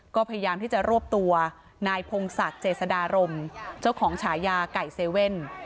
ก็พยายามที่จะรวบตัวนายพงศักดิ์เจษดารมเจ้าของฉายาไก่เซเว่น